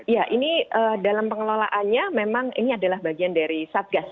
ya ini dalam pengelolaannya memang ini adalah bagian dari satgas